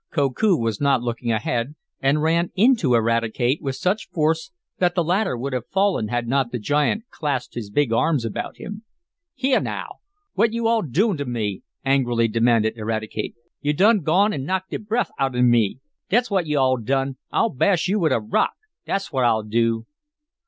Koku was not looking ahead, and ran into Eradicate with such force that the latter would have fallen had not the giant clasped his big arms about him. "Heah now! Whut yo' all doin' t' me?" angrily demanded Eradicate. "Yo' done gone an' knocked de breff outen me, dat's whut yo' all done! I'll bash yo' wif a rock, dat's what I'll do!"